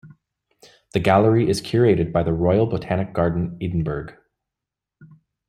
The gallery is curated by the Royal Botanic Garden Edinburgh.